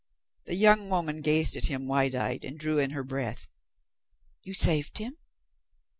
The young woman gazed at him wide eyed, and drew in her breath. "You saved him."